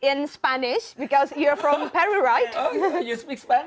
ini dalam bahasa spanyol karena kamu dari peri bukan